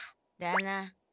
だな。